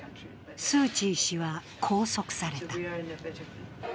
スー・チー氏は拘束された。